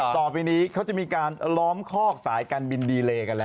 ต่อไปนี้เขาจะมีการล้อมคอกสายการบินดีเลกันแล้ว